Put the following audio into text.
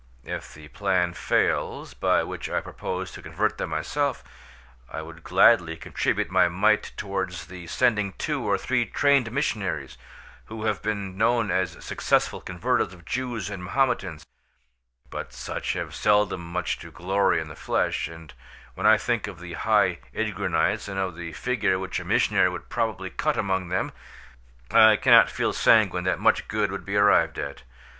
If the plan fails by which I propose to convert them myself, I would gladly contribute my mite towards the sending two or three trained missionaries, who have been known as successful converters of Jews and Mahometans; but such have seldom much to glory in the flesh, and when I think of the high Ydgrunites, and of the figure which a missionary would probably cut among them, I cannot feel sanguine that much good would be arrived at.